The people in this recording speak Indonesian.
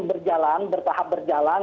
berjalan bertahap berjalan